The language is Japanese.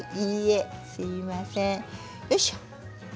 いいえ。